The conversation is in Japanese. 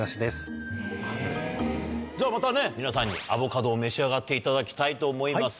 じゃあまたね皆さんにアボカドを召し上がっていただきたいと思います。